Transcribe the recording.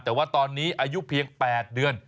แต่ว่าตอนนี้อายุเพียง๘เดือน